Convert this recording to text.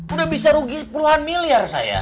udah bisa rugi puluhan miliar saya